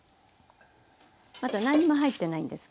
まだ何にも入ってないんですけどね。